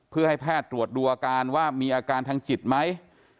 เพื่อให้แพทย์ตรวจดูอาการว่ามีอาการทางจิตไหม